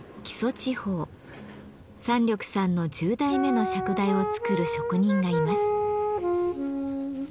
山緑さんの１０台目の釈台を作る職人がいます。